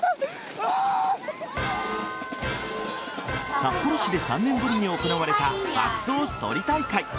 札幌市で３年ぶりに行われた爆走そり大会。